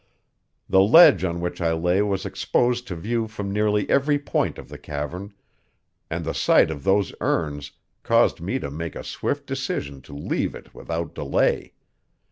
The ledge on which I lay was exposed to view from nearly every point of the cavern, and the sight of those urns caused me to make a swift decision to leave it without delay.